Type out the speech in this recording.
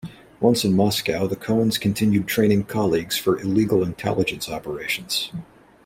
Once in Moscow, the Cohens continued training colleagues for illegal intelligence operations.